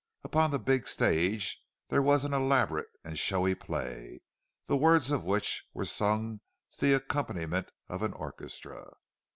Upon the big stage there was an elaborate and showy play, the words of which were sung to the accompaniment of an orchestra.